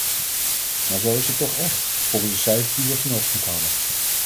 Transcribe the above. Maar zo is het toch echt, volgens de cijfers die we vanochtend hadden.